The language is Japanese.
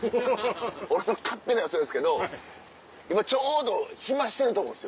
俺の勝手な予想ですけど今ちょうど暇してると思うんです。